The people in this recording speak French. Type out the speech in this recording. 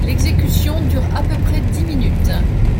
L'exécution dure à peu près dix minutes.